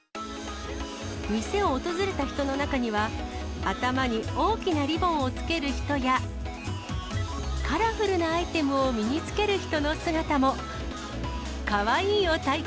店を訪れた人の中には、頭に大きなリボンをつける人や、カラフルなアイテムを身につける人の姿も。